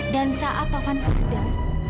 dan saat taufan sedang